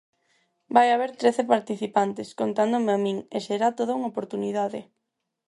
Vai haber trece participantes, contándome a min, e será toda unha oportunidade.